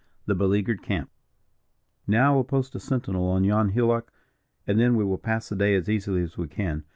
THE BELEAGUERED CAMP. "Now I will post a sentinel on yon hillock, and then we will pass the day as easily as we can.